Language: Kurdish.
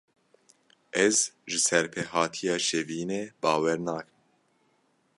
Ez ji serpêhatiya Şevînê bawer nakim.